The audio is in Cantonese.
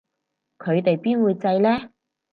佢哋邊會䎺呢